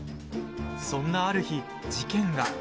そんなある日、事件が。